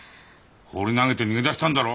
放り投げて逃げ出したんだろ！